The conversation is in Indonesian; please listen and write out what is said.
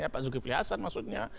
pak zulkifli hassan maksudnya